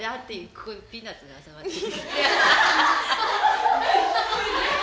ここにピーナツが挟まってる。